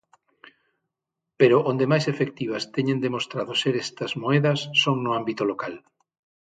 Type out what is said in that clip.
Pero onde máis efectivas teñen demostrado ser estas moedas son no ámbito local.